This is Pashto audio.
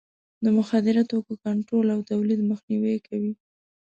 د مخدره توکو کنټرول او تولید مخنیوی کوي.